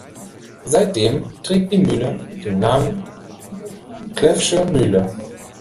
Seitdem trägt die Mühle den Namen "Cleff’sche Mühle".